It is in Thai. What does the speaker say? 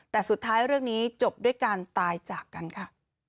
แต่สุดท้ายเรื่องนี้จบด้วยการตายจากกันค่ะ